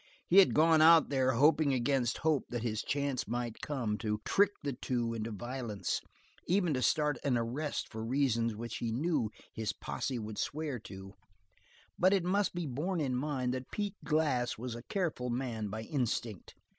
He had gone out there hoping against hope that his chance might come to trick the two into violence, even to start an arrest for reasons which he knew his posse would swear to; but it must be borne in mind that Pete Glass was a careful man by instinct.